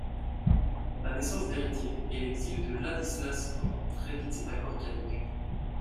La naissance d'héritiers et l'exil de Ladislas rendent très vite cet accord caduc.